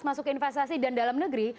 masuk ke investasi dan dalam negeri